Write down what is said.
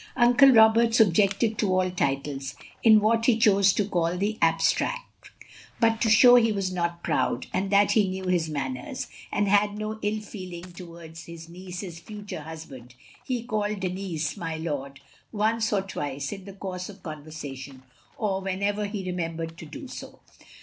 Uncle Roberts objected to all titles, in what he chose to call "the abstrack "; but to show he was not proud, and that he knew his manners, and had no ill feeling towards his niece's future hus band, he called Denis " my lord " once or twice, in the course of conversation, or whenever he re membered to do so.